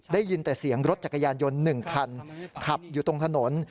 ได้ยินแต่เสียงรถจักรยานยนต์๑คันขับอยู่ตรงถนน